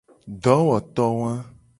Dowoto wa.